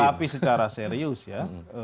tapi secara serius ya